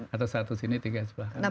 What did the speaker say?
atau satu sini tiga sebelah